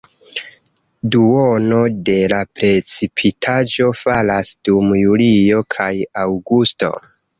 Duono de la precipitaĵo falas dum julio kaj aŭgusto.